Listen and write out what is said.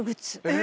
え！